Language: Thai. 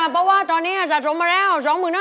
เพราะว่าตอนนี้สะสมมาแล้ว๒๕๐๐